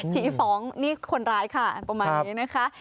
ชี้ฟ้องนี่คนร้ายค่ะประมาณนี้นะคะ